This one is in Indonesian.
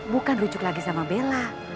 bukan rujuk lagi sama bella